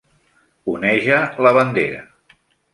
Oneja la bandera.